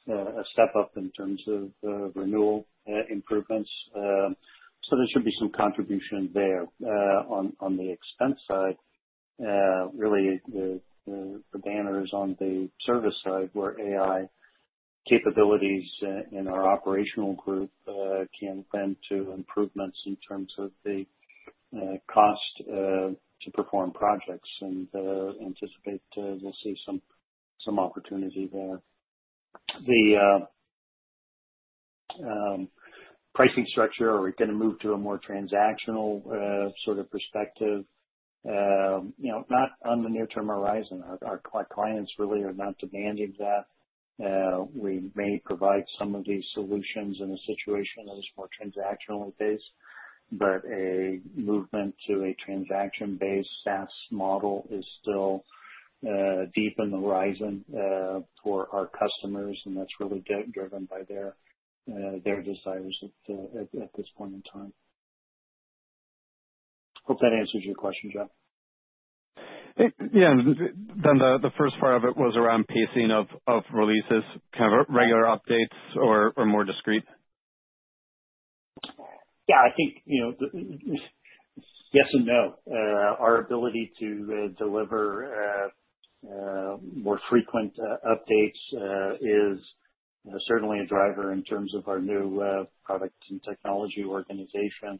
a step up in terms of renewal improvements. There should be some contribution there. On the expense side, really, the banner is on the service side where AI capabilities in our operational group can lend to improvements in terms of the cost to perform projects. I anticipate to see some opportunity there. The pricing structure, are we going to move to a more transactional sort of perspective? Not on the near-term horizon. Our clients really are not demanding that. We may provide some of these solutions in a situation that is more transactionally based, but a movement to a transaction-based SaaS model is still deep in the horizon for our customers, and that's really driven by their desires at this point in time. Hope that answers your question, Jeff. Yeah, the first part of it was around pacing of releases, kind of regular updates or more discrete. Yeah, I think it's yes and no. Our ability to deliver more frequent updates is certainly a driver in terms of our new product and technology organization.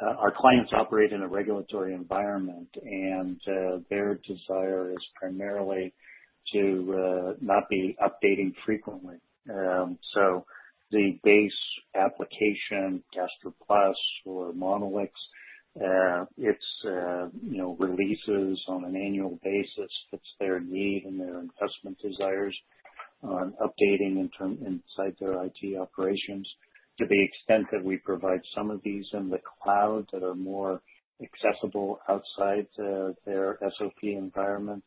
Our clients operate in a regulatory environment, and their desire is primarily to not be updating frequently. The base application, GastroPlus or Monolix, has releases on an annual basis. It's their need and their investment desires on updating inside their IT operations. To the extent that we provide some of these in the cloud that are more accessible outside their SOP environment,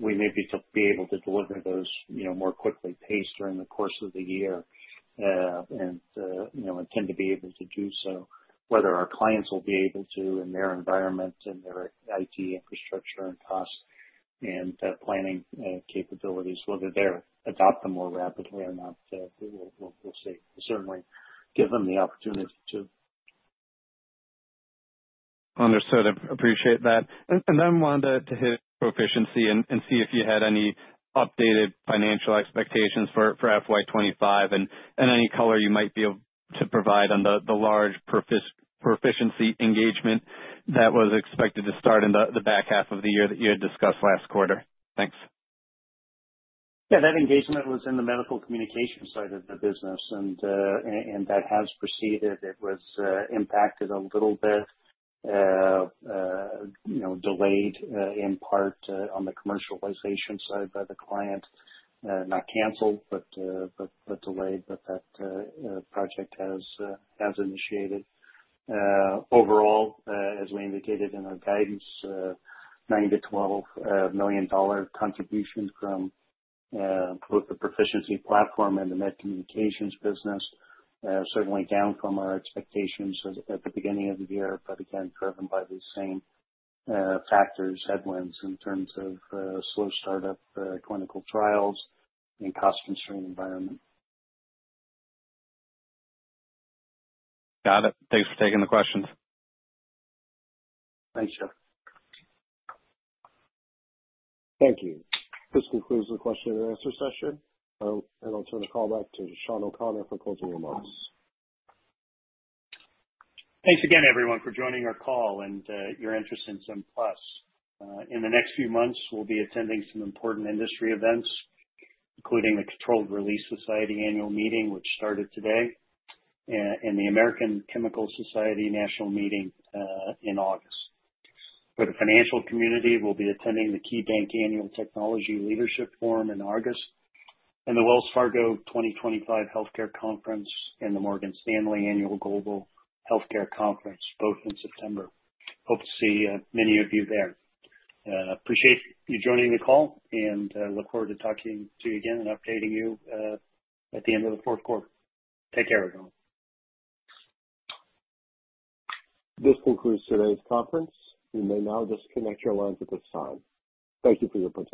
we may be able to deliver those more quickly paced during the course of the year and tend to be able to do so. Whether our clients will be able to in their environment and their IT infrastructure and cost and planning capabilities, whether they adopt them more rapidly or not, we'll see. Certainly, give them the opportunity to. Understood. I appreciate that. I wanted to hit Pro-ficiency and see if you had any updated financial expectations for FY 2025 and any color you might be able to provide on the large Pro-ficiency engagement that was expected to start in the back half of the year that you had discussed last quarter. Thanks. Yeah, that engagement was in the medical communication side of the business, and that has proceeded. It was impacted a little bit, delayed in part on the commercialization side by the client, not canceled, but delayed. That project has initiated. Overall, as we indicated in our guidance, $9 million-$12 million contribution from both the Pro-ficiency platform and the med communications business are certainly down from our expectations at the beginning of the year, but again, driven by the same factors, headwinds in terms of slow startup clinical trials and cost-constrained environment. Got it. Thanks for taking the questions. Thanks, Jeff. Thank you. For the question-and-answer session, I'll turn the call back to Shawn O'Connor for closing remarks. Thanks again, everyone, for joining our call and your interest in Simulations Plus. In the next few months, we'll be attending some important industry events, including the Controlled Release Society annual meeting, which started today, and the American Chemical Society national meeting in August. For the financial community, we'll be attending the KeyBanc Annual Technology Leadership Forum in August and the Wells Fargo 2025 Healthcare Conference and the Morgan Stanley Annual Global Healthcare Conference, both in September. Hope to see many of you there. Appreciate you joining the call and look forward to talking to you again and updating you at the end of the fourth quarter. Take care, everyone. This concludes today's conference. You may now disconnect your lines at this time. Thank you for your participation.